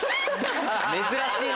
珍しいな。